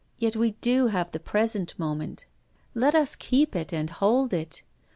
But we do have the present moment ; let us keep it and hold it.